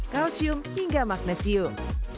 kalsium hingga magnesium